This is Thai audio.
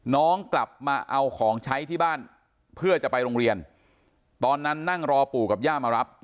น้องกลับมาเอาของใช้ที่บ้านเพื่อจะไปโรงเรียนตอนนั้นนั่งรอปู่กับย่ามารับ